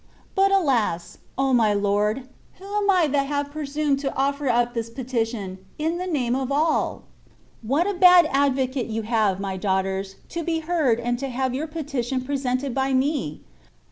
But, alas ! O my Lord, who am I that have THB WAY OF PERFECTION. 15 presumed to offer up this petition, in the name of all ? What a bad advocate you have, my daugh ters, to be heard and to have your petition presented by me